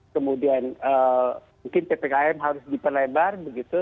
kemudian mungkin ppkm harus diperlebar begitu